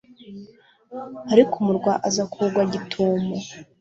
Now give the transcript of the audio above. ariko umurwa aza kuwugwa gitumo